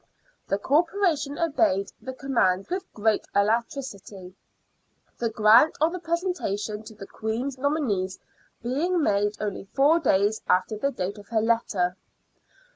The Corporation obeyed the com mand with great alacrity, the grant of the presentation tc the Queen's nominees being made only four days after 32 SIXTEENTH CENTURY BRISTOL. the date of her letter.